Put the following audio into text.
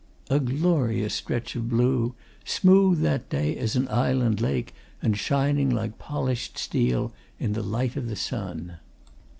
a glorious stretch of blue, smooth that day as an island lake and shining like polished steel in the light of the sun.